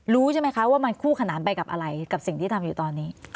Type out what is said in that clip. รู้ใช่ไหมคะว่ามันคู่ขนานไปกับอะไรกับสิ่งที่ทำอยู่ตอนนี้